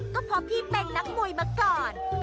ก็เพราะพี่เป็นนักมวยมาก่อน